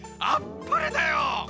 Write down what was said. あっぱれだよ！